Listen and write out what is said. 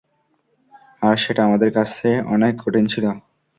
আর সেটা আমাদের কাছে অনেক কঠিন ছিলো।